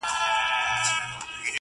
خدای درکړی دی جمال دی صدقې